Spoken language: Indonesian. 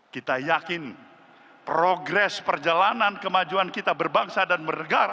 kita yakin progres perjalanan kemajuan kita berbangsa dan bernegara